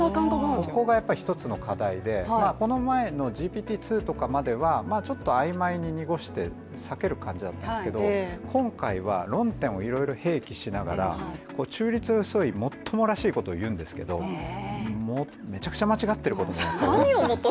そこが一つの課題で、この前のＧＰＴ２とかまでは曖昧ににごして避ける感じだったんですけど、今回は論点をいろいろ併記しながら中立ですごい最もらしいことを言うんですけれどもめちゃくちゃ間違っていることも。